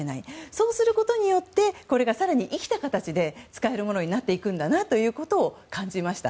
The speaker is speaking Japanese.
そうすることによってこれが更に生きた形で使えるものになっていくんだなということを感じました。